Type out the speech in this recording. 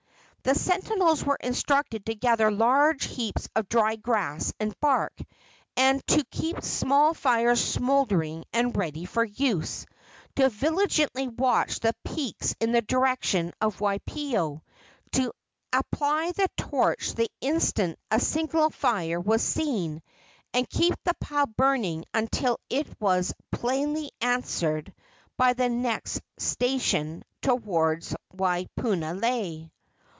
The sentinels were instructed to gather large heaps of dry grass and bark; to keep small fires smouldering and ready for use; to vigilantly watch the peaks in the direction of Waipio; to apply the torch the instant a signal fire was seen, and keep the pile burning until it was plainly answered by the next station toward Waipunalei.